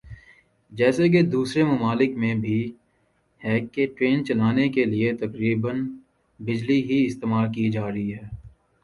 جیسا کہ دوسرے ممالک میں بھی ہے کہ ٹرین چلانے کیلئے تقریبا بجلی ہی استعمال کی جارہی ھے